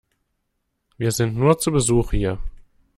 Wir sind nur zu Besuch hier.